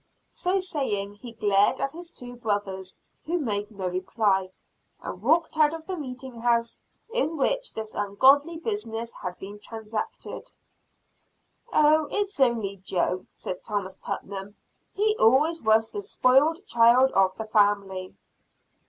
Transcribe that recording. So saying, he glared at his two brothers, who made no reply, and walked out of the meeting house in which this ungodly business had been transacted. "Oh, it is only Joe," said Thomas Putnam; "he always was the spoiled child of the family."